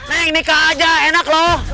neng nikah aja enak loh